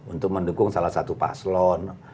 untuk mendukung salah satu paslon